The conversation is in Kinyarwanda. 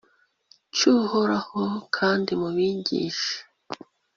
cyU horaho kandi mubigisha